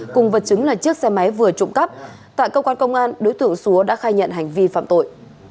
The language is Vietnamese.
cùng vật chứng là chiếc xe máy vừa trộm cắp tại công an công an đối tượng súa đã khai nhận hành vi phạm tội